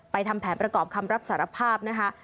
ทำแผนประกอบคำรับสารภาพนะคะ